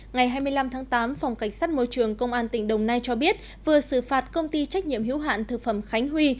ngày hai mươi năm tháng tám phòng cảnh sát môi trường công an tỉnh đồng nai cho biết vừa xử phạt công ty trách nhiệm hiếu hạn thực phẩm khánh huy